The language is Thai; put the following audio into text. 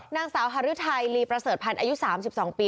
นางสาวหารุใตรีประเสริฐผันอายุ๓๒ปี